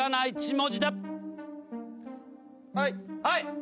はい。